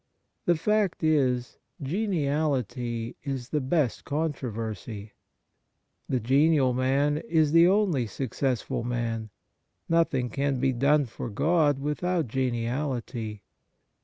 The fact is, geniality is the best controversy. The genial man is the only successful man. Nothing can be done for God without geniality.